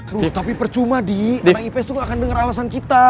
loh tapi percuma di anak ips tuh gak akan denger alasan kita